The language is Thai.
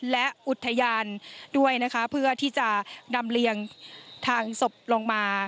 และอุทยานด้วยนะคะเพื่อที่จะนำเลียงทางศพลงมา